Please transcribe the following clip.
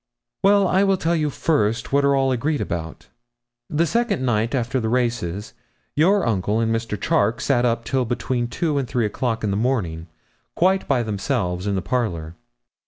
'Well, I will tell you first what all are agreed about. The second night after the races, your uncle and Mr. Charke sat up till between two and three o'clock in the morning, quite by themselves, in the parlour.